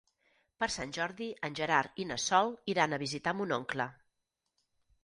Per Sant Jordi en Gerard i na Sol iran a visitar mon oncle.